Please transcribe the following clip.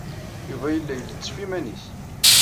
Yuba yella ilettef i yiman-is.